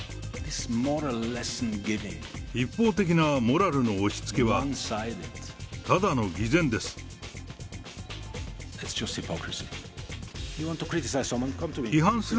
一方的なモラルの押しつけはただの偽善です。